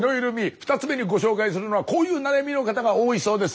２つ目にご紹介するのはこういう悩みの方が多いそうです。